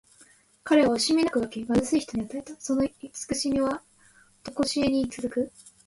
彼は惜しみなく分け、貧しい人に与えた。その慈しみはとこしえに続く。